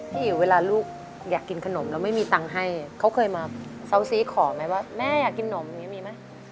อิ๋วเวลาลูกอยากกินขนมแล้วไม่มีตังค์ให้เขาเคยมาเซาซีขอไหมว่าแม่อยากกินนมอย่างนี้มีไหม